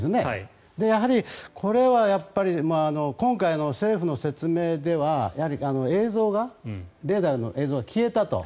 やはりこれは今回の政府の説明ではレーダーの映像が消えたと。